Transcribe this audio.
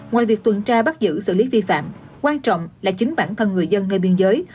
ngoài việc tuần tra bắt giữ xử lý vi phạm quan trọng là chính bản thân người dân nơi biên giới